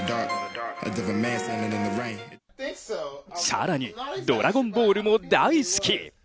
更に「ドラゴンボール」も大好き。